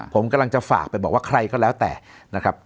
ผมกำลังจะฝากไปบอกว่าใครก็แล้วแต่นะครับ